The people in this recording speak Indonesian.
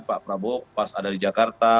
pak prabowo pas ada di jakarta